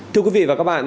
thưa quý vị và các bạn